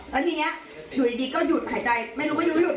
แล้วทีนี้อยู่ดีก็หยุดหายใจไม่รู้ว่ายุดไหม